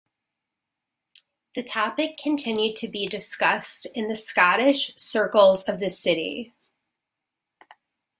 The topic continued to be discussed in the Scottish circles of the city.